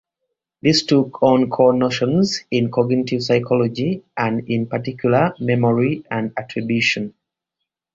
This took on core notions in cognitive psychology and in particular memory and attribution.